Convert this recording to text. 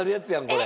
これ。